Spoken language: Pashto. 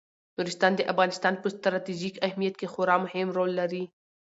نورستان د افغانستان په ستراتیژیک اهمیت کې خورا مهم رول لري.